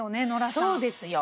そうですよ。